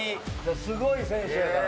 すごい選手やから。